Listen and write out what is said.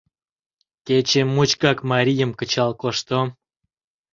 — Кече мучкак марийым кычал коштым.